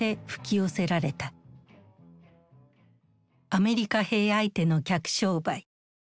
アメリカ兵相手の客商売。